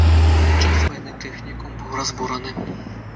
У час вайны тэхнікум быў разбураны.